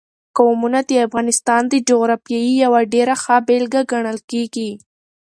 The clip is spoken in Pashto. قومونه د افغانستان د جغرافیې یوه ډېره ښه بېلګه ګڼل کېږي.